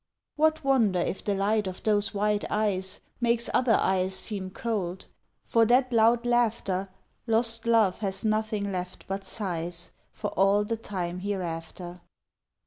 What wonder if the light of those wide eyes Makes other eyes seem cold; for that loud laughter Lost love has nothing left but sighs For all the time hereafter.